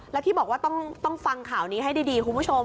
แล้วที่บอกว่าต้องฟังข่าวนี้ให้ดีคุณผู้ชม